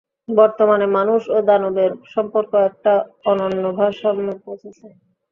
বর্তমানে, মানুষ ও দানবদের সম্পর্ক একটা অনন্য ভারসাম্যে পৌঁছেছে।